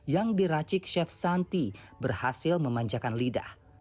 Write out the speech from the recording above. yang diracik chef santi berhasil memanjakan lidah